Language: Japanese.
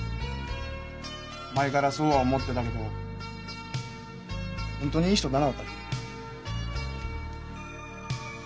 前からそうは思ってたけど本当にいい人だなあお宅。